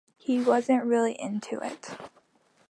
He wasn't really into it.